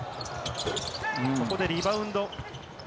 ここでリバウンド。